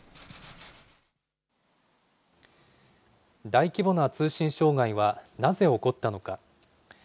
大規模な通信障害はなぜ起こったのか。